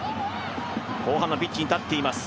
後半のピッチに立っています。